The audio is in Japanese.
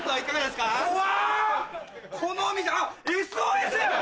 このお店あっ「ＳＯＳ」！